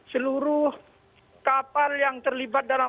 seluruh kapal yang terlibat dalam